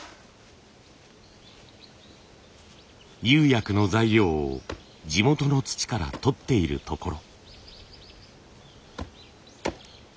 釉薬の材料を地元の土から採っているところ。